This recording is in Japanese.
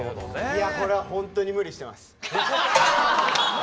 いやこれはホントに無理してます。